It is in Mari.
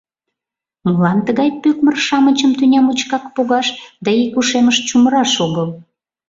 Молан тыгай пӧкмыр-шамычым тӱня мучкак погаш да ик ушемыш чумыраш огыл?